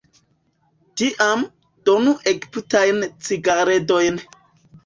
Tiam, donu egiptajn cigaredojn.